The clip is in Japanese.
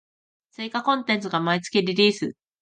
追加コンテンツが毎月リリース